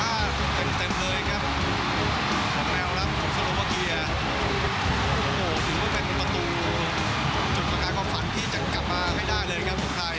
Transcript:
โอ้โหถึงก็เป็นตรงกลาดกลางความฝันที่จะกลับมาให้ได้เลยครับปุกไทย